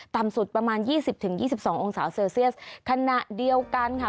ต่ำสุดประมาณยี่สิบถึงยี่สิบสององศาเซลเซียสขณะเดียวกันค่ะ